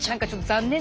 残念。